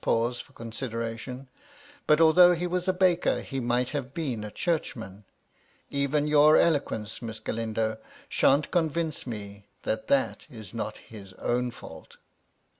pause for consideration. ''But, although he was a baker, he might have been a Churchman. Even your eloquence, Miss Galindo, shan't convince me that that is not his own fault."